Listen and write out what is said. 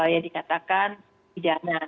ya dikatakan tidak ada